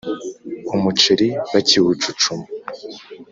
umuceri bakiwucucuma